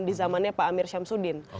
di zamannya pak amir syamsuddin